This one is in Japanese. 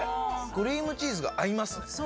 クリームチーズが合いますね